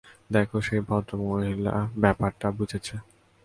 দেখো, সেই ভদ্রমহিলা ব্যাপারটা বুঝেছে!